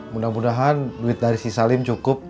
mudah mudahan duit dari si salim cukup